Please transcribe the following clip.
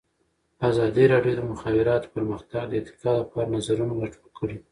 ازادي راډیو د د مخابراتو پرمختګ د ارتقا لپاره نظرونه راټول کړي.